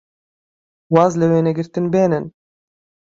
واز لە وێنەگرتن بێنن!